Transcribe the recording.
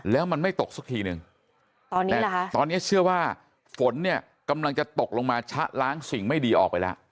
แล้วมันไม่ตกสักทีนึงตอนนี้เชื่อว่าฝนเนี่ยกำลังจะตกลงมาชะล้างสิ่งไม่ดีออกไปแล้ว